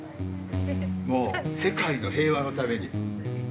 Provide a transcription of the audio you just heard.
もう世界の平和のために。